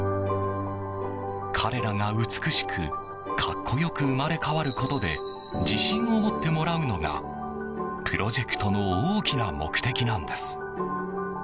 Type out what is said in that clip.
彼らが美しく格好よく生まれ変わることで自信を持ってもらうのがプロジェクトの大きな目的なんです。